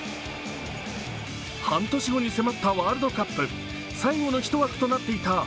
半年後に迫ったワールドカップ、最後のひと枠となっていた